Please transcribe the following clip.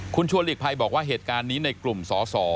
คุณชัวร์หลีกภัยบอกว่าเหตุการณ์นี้ในกลุ่มสอสอ